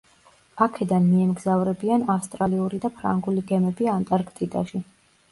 აქედან მიემგზავრებიან ავსტრალიური და ფრანგული გემები ანტარქტიდაში.